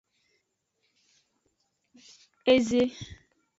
Eze.